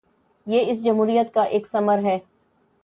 یہ اس جمہوریت کا ایک ثمر ہے۔